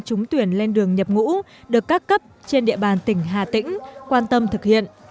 trước ngày thanh niên trúng tuyển lên đường nhập ngũ được các cấp trên địa bàn tỉnh hà tĩnh quan tâm thực hiện